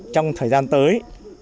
trong thời gian tới